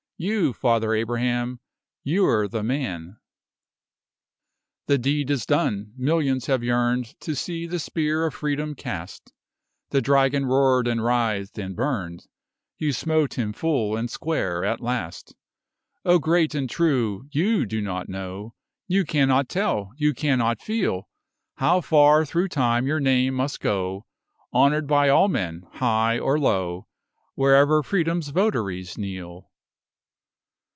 You, Father Abraham you're the man! The deed is done. Millions have yearned To see the spear of Freedom cast The dragon roared and writhed and burned: You've smote him full and square at last O Great and True! you do not know You cannot tell you cannot feel How far through time your name must go, Honoured by all men, high or low, Wherever Freedom's votaries kneel.